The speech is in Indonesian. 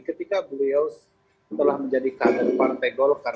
ketika beliau telah menjadi kader partai golkar